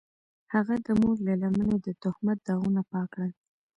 هغه د مور له لمنې د تهمت داغونه پاک کړل.